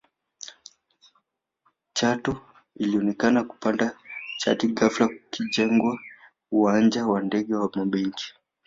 Chato ilionekana kupanda chati ghafla kukijengwa uwanja wa ndege na mabenki